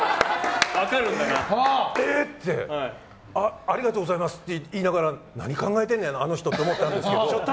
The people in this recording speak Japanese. ありがとうございますって言いながら何考えてんねんあの人って思ったんですけど。